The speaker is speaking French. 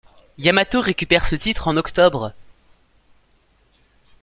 Yamato récupère ce titre en octobre.